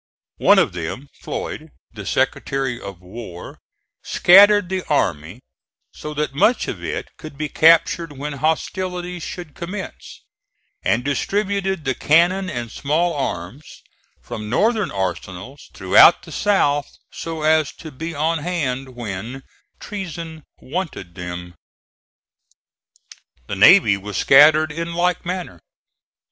One of them, Floyd, the Secretary of War, scattered the army so that much of it could be captured when hostilities should commence, and distributed the cannon and small arms from Northern arsenals throughout the South so as to be on hand when treason wanted them. The navy was scattered in like manner.